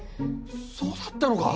そうだったのか？